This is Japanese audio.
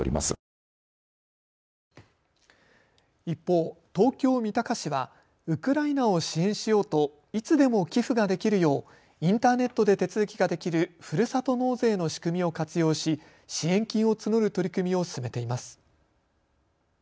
一方、東京三鷹市はウクライナを支援しようといつでも寄付ができるようインターネットで手続きができるふるさと納税の仕組みを活用し支援金を募る取り組みを進めています。